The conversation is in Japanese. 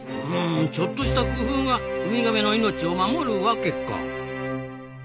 ちょっとした工夫がウミガメの命を守るわけか。